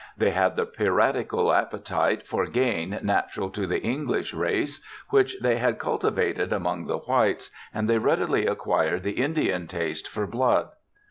They had the piratical appetite for gain natural to the English race, which they had cultivated among the whites, and they readily acquired the Indian taste for blood.